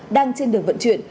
đang trên đường vận chuyển